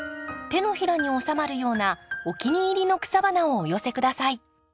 手のひらにおさまるようなお気に入りの草花をお寄せ下さい。